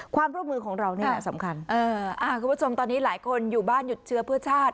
ความร่วมมือของเรานี่แหละสำคัญคุณผู้ชมตอนนี้หลายคนอยู่บ้านหยุดเชื้อเพื่อชาติ